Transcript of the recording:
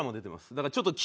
だからちょっと「火」